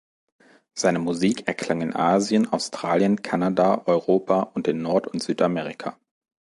Seine Musik erklang in Asien, Australien, Kanada, Europa und in Nord- und Südamerika.